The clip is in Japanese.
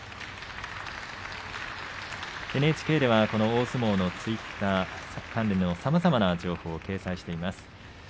ＮＨＫでは大相撲のツイッターさまざまな情報を掲載しています。